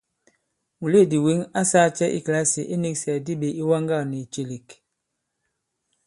Mùleèdì wěŋ a sāā cɛ i kìlasì iniksɛ̀gɛ̀di ɓě iwaŋgâk nì ìcèlèk ?